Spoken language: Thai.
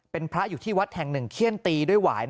เป็นพระอยู่ที่วัดแห่งหนึ่งเขี้ยนตีด้วยหวาย